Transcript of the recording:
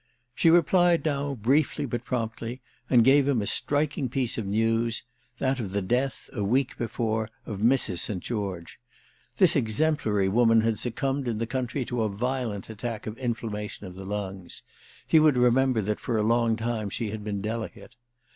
She replied now briefly but promptly, and gave him a striking piece of news: that of the death, a week before, of Mrs. St. George. This exemplary woman had succumbed, in the country, to a violent attack of inflammation of the lungs—he would remember that for a long time she had been delicate.